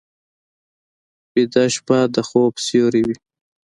ویده شپه د خوب سیوری وي